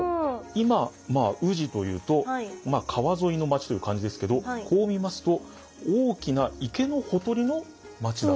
今まあ宇治というとまあ川沿いの町という感じですけどこう見ますと大きな池のほとりの町だったと。